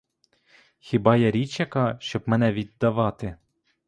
Хіба я річ яка, щоб мене віддавати?